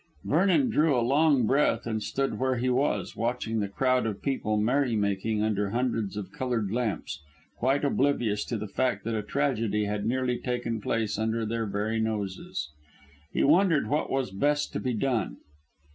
Vernon drew a long breath and stood where he was, watching the crowd of people merry making under hundreds of coloured lamps, quite oblivious to the fact that a tragedy had nearly taken place under their very noses. He wondered what was best to be done.